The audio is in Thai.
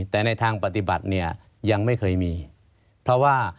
แต่ในทางปฏิบัติเนี่ยยังไม่เคยมีเพราะว่า